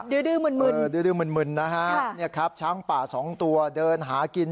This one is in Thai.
ื้อดื้อมืนดื้อมึนนะฮะเนี่ยครับช้างป่าสองตัวเดินหากิน